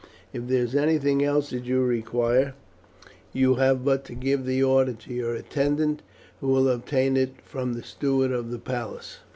If there is anything else that you require, you have but to give the order to your attendant, who will obtain it from the steward of the palace."